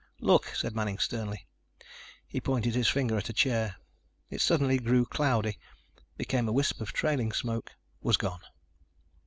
"Look," said Manning sternly. He pointed his finger at a chair. It suddenly grew cloudy, became a wisp of trailing smoke, was gone.